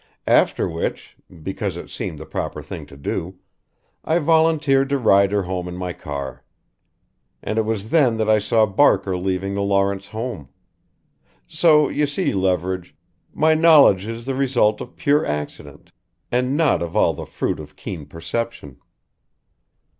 After which because it seemed the proper thing to do I volunteered to ride her home in my car. And it was then that I saw Barker leaving the Lawrence home. So you see, Leverage, my knowledge is the result of pure accident and not at all the fruit of keen perception."